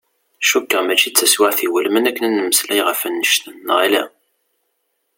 Cukkuɣ mačči d taswiεt iwulmen akken ad nmeslay ɣef annect-n, neɣ ala?